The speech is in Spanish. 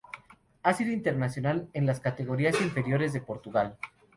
Ha sido internacional en las categorías inferiores de Portugal.